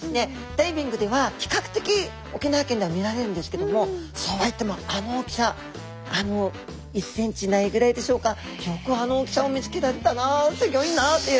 ダイビングでは比較的沖縄県では見られるんですけどもそうは言ってもあの大きさあの１センチないぐらいでしょうかよくあの大きさを見つけられたなすギョいなという。